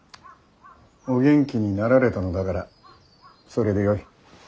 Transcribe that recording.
お元気になられたのだからそれでよい。